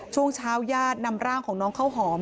ช่วงเช้าญาตินำร่างของน้องข้าวหอม